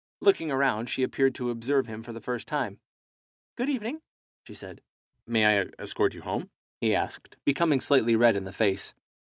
Looking around, she appeared to observe him for the first time. "Good evening," she said. "May I escort you home?" he asked, becoming slightly red in the face.